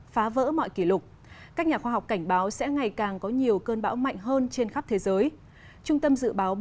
phá kỷ lục hai mươi tám cơn bão của năm hai nghìn năm